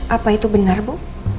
apa itu benar bu